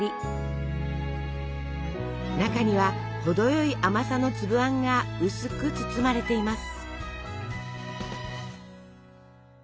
中には程よい甘さの粒あんが薄く包まれています。